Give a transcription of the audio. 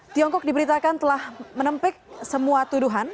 tiongkok diberitakan telah menempik semua tuduhan